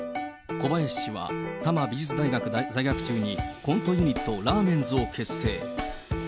小林氏は、多摩美術大学在学中に、コントユニット、ラーメンズを結成。